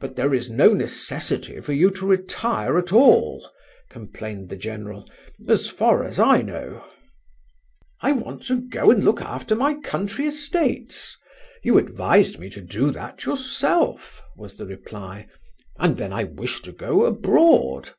"But there is no necessity for you to retire at all," complained the general, "as far as I know." "I want to go and look after my country estates. You advised me to do that yourself," was the reply. "And then I wish to go abroad."